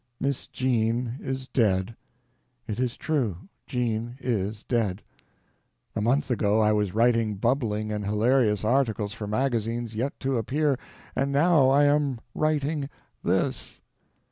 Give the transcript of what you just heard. "MISS JEAN IS DEAD!" It is true. Jean is dead. A month ago I was writing bubbling and hilarious articles for magazines yet to appear, and now I am writing—this.